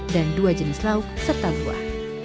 dan dua jenis lauk serta buah